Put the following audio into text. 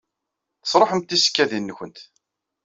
Tesṛuḥemt tisekkadin-nwent.